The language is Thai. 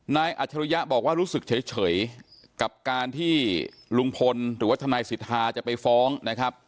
อัจฉริยะบอกว่ารู้สึกเฉยกับการที่ลุงพลหรือว่าทนายสิทธาจะไปฟ้องนะครับ